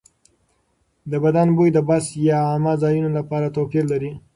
د بدن بوی د بس یا عامه ځایونو لپاره توپیر لري.